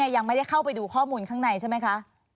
ยังไม่ได้เข้าไปดูข้อมูลข้างในใช่ไหมคะ